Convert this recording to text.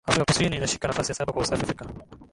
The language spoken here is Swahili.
Afrika Kusini inashika nafasi ya saba kwa usafi Afrika